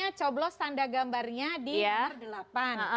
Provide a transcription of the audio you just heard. biasanya coblos tanda gambarnya di nomor delapan